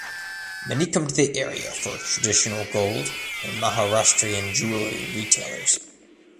Many come to the area for its traditional gold and Maharashtrian jewelry retailers.